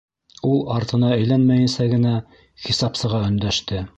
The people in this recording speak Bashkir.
Ул артына әйләнмәйенсә генә хисапсыға өндәште: